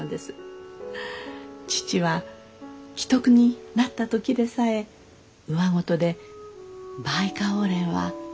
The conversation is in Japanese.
父は危篤になった時でさえうわごとで「バイカオウレンは咲いたか？」